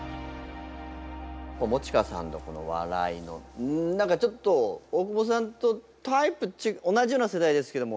友近さんのこの笑いの何かちょっと大久保さんとタイプ同じような世代ですけども。